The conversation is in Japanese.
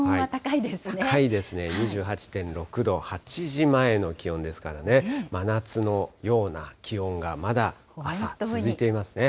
高いですね、２８．６度、８時前の気温ですからね、真夏のような気温がまだ朝続いていますね。